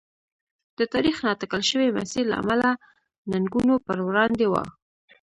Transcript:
د تاریخ نااټکل شوي مسیر له امله ننګونو پر وړاندې و.